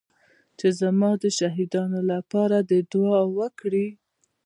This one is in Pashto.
چې زما د شهيدانو لپاره دې دعا وکړي.